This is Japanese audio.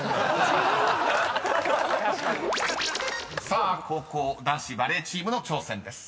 ［さあ後攻男子バレーチームの挑戦です］